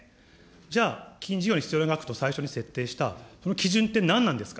じゃあ基金事業に必要な額と最初に設定した、その基準って何なんですか。